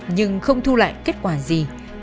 nhưng không thu lại kết quả gì